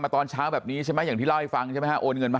ตอนเช้าแบบนี้ใช่ไหมอย่างที่เล่าให้ฟังใช่ไหมฮะโอนเงินมา